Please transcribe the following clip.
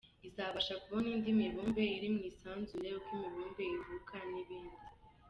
Izabasha kubona indi mibumbe iri mu isanzure, uko imibumbe ivuka n’ibindi.